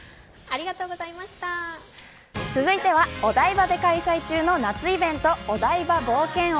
続いてはお台場で開催中の夏イベント、お台場冒険王。